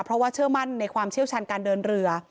เพราะว่าเชื่อมั่นในความเชี่ยวชาญการเดินเรือ